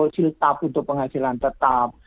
untuk siltap untuk penghasilan tetap